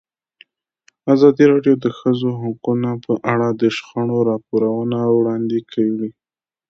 ازادي راډیو د د ښځو حقونه په اړه د شخړو راپورونه وړاندې کړي.